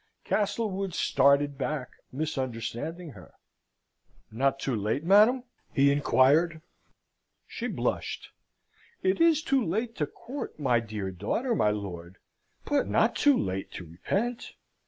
Castlewood started back, misunderstanding her. "Not too late, madam?" he inquired. She blushed. "It is too late to court my dear daughter, my lord, but not too late to repent.